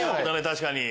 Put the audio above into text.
確かに。